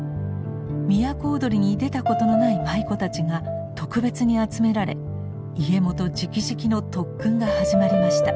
都をどりに出たことのない舞妓たちが特別に集められ家元じきじきの特訓が始まりました。